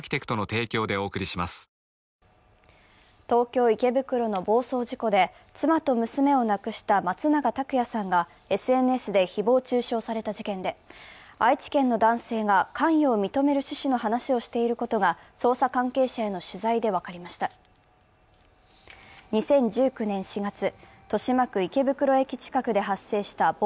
東京・池袋の暴走事故で妻と娘を亡くした松永拓也さんがＳＮＳで誹謗中傷された事件で愛知県の男性が関与を認める趣旨の話をしていることが捜査関係者への取材で分かりました。